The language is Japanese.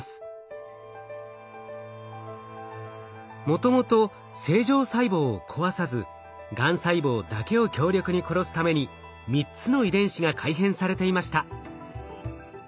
もともと正常細胞を壊さずがん細胞だけを強力に殺すために３つの遺伝子が改変されていました。